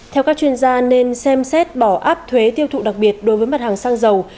theo các chuyên gia nên xem xét bỏ áp thuế tiêu thụ đặc biệt đối với mặt hàng xăng dầu